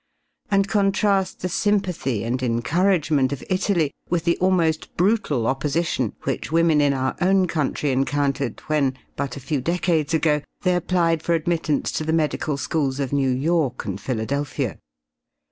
And contrast the sympathy and encouragement of Italy with the almost brutal opposition which women in our own country encountered when, but a few decades ago, they applied for admittance to the medical schools of New York and Philadelphia.